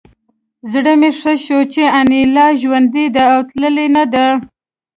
زړه مې ښه شو چې انیلا ژوندۍ ده او تللې نه ده